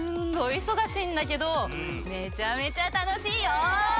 いそがしいんだけどめちゃめちゃたのしいよ！